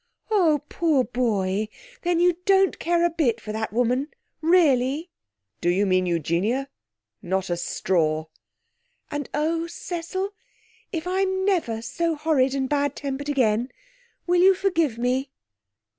'Oh, poor boy! Then you don't care a bit for that woman, really?' 'Do you mean Eugenia? Not a straw!' 'And, oh, Cecil, if I'm never so horrid and bad tempered again, will you forgive me?'